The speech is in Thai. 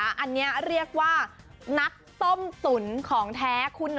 อันนี้เรียกว่านักต้มตุ๋นของแท้คุณ